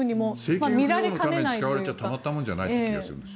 政権浮揚のために使われてはたまったものではないという気がするんです。